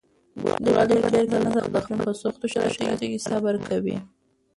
ګلالۍ په ډېر قناعت سره د خپل ژوند په سختو شرایطو کې صبر کاوه.